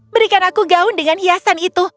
berikan aku gaun dengan hiasan itu